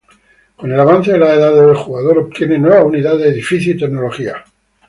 Con el avance de las edades, el jugador obtiene nuevas unidades, edificios y tecnologías.